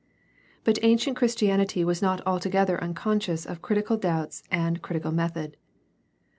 But ancient Christianity was not altogether un conscious of critical doubts and critical method.